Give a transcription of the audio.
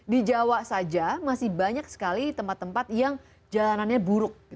di jawa saja masih banyak sekali tempat tempat yang jalanannya buruk